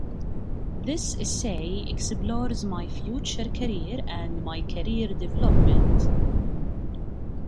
This essay explores my future career and my career development.